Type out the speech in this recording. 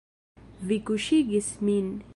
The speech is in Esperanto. Vi kuŝigis min.